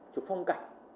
chụp phong cảnh